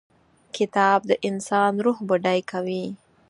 کتاب د انسان روح بډای کوي.